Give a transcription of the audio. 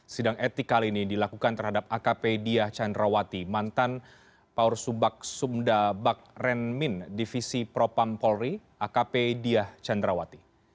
sidang etik kali ini dilakukan terhadap akp diah chandrawati mantan paursubak sundabak renmin divisi propam polri akp diah chandrawati